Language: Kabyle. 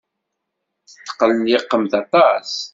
Tetqelliqemt aṭas.